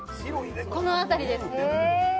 この辺りですへえ！